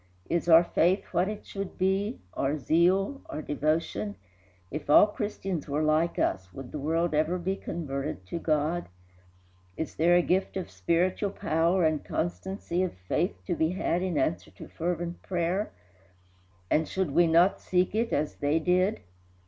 Is our faith what it should be, our zeal, our devotion? If all Christians were like us, would the world ever be converted to God? Is there a gift of spiritual power and constancy of faith to be had in answer to fervent prayer? and should we not seek it as they did?